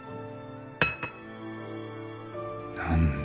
何だ？